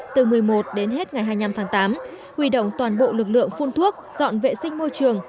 từ một mươi một đến hết ngày hai mươi năm tháng tám huy động toàn bộ lực lượng phun thuốc dọn vệ sinh môi trường